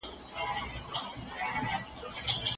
دا کتاب په نړيواله کچه ډېر مشهور شوی دی.